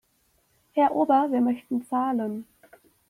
Herr Ober, wir möchten zahlen.